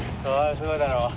すごいだろ。